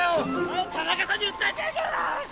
田中さんに訴えてやるからな！